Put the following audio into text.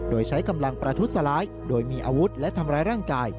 โดยใช้กำลังประทุษร้ายโดยมีอาวุธและทำร้ายร่างกาย